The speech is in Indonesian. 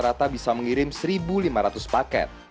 harga rata rata bisa mengirim seribu lima ratus paket